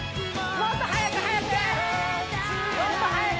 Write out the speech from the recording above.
もっと速く速く！